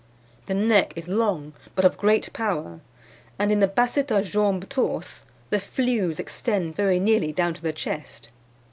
"The neck is long, but of great power; and in the Basset a jambes torses the flews extend very nearly down to the chest.